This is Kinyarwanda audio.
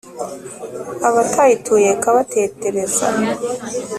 abatayituye ikabatetereza.